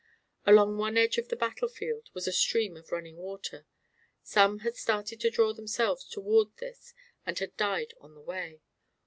Along one edge of the battle field was a stream of running water; some had started to draw themselves toward this and had died on the way.